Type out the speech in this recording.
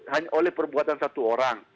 hanya oleh perbuatan satu orang